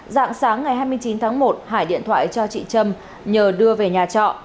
dạng sáng ngày hai mươi chín tháng một hải điện thoại cho chị trâm nhờ đưa về nhà trọ